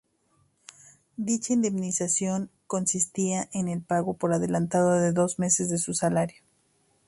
Dicha indemnización consistía en el pago por adelantado de dos meses de su salario.